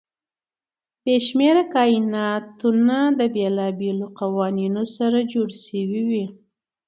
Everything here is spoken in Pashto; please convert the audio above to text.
بې شمېره کایناتونه د بېلابېلو قوانینو سره جوړ شوي وي.